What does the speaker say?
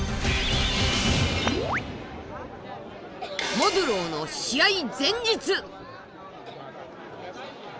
モドゥローの試合前日！